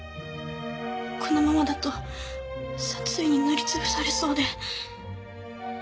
このままだと殺意に塗り潰されそうで。